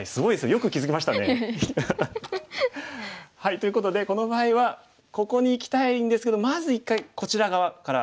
ということでこの場合はここにいきたいんですけどまず一回こちら側からいく。